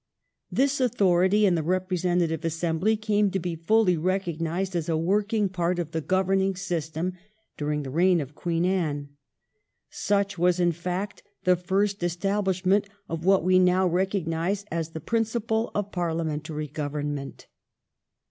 This authority in the representative assembly came to be fully recognised as a working part of the governing system during the reign of Queen Anne. Such was, in fact, the first establishment of what we now recognise as the principle of Parhamentary government.